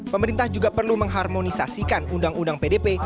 pemerintah juga perlu mengharmonisasikan undang undang pdp